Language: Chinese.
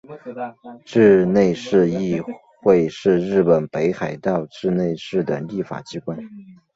稚内市议会是日本北海道稚内市的立法机关。